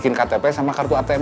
era sudah sama harvesting